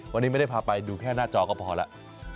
วันนี้ไม่ได้พาไปดูแค่หน้าจอก็พอแล้ว